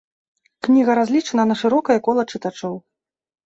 Кніга разлічана на шырокае кола чытачоў.